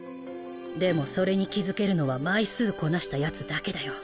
でもそれに気付けるのは枚数こなしたヤツだけだよ。